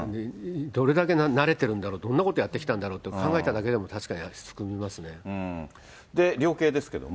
どれだけ慣れてるんだろう、どんなことやってきたんだろうって考えただけでも、確かにすくみ量刑ですけれども。